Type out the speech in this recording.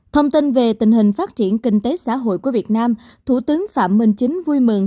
thông tin về tình hình phát triển kinh tế xã hội của việt nam thủ tướng phạm minh chính vui mừng